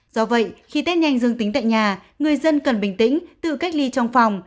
do vậy khi tết nhanh dương tính tại nhà người dân cần bình tĩnh tự cách ly trong phòng